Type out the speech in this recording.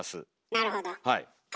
なるほど。